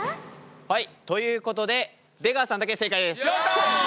はいということで出川さんだけ正解です。